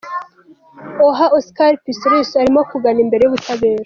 Aha Oscar Pistorius arimo kugana imbere y’ubutabera.